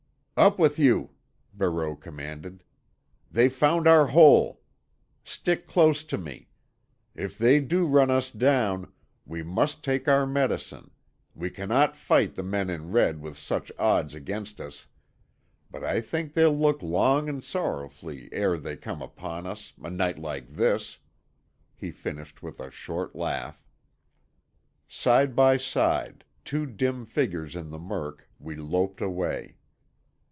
"Up with you," Barreau commanded. "They've found our hole. Stick close to me. If they do run us down, we must take our medicine; we cannot fight the men in red with such odds against us. But I think they'll look long and sorrowfully ere they come upon us, a night like this," he finished with a short laugh. Side by side, two dim figures in the murk, we loped away.